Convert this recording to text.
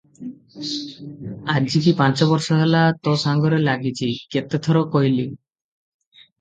ଆଜିକି ପାଞ୍ଚ ବରଷ ହେଲା ତୋ ସାଙ୍ଗରେ ଲାଗିଛି, କେତେ ଥର କହିଲି!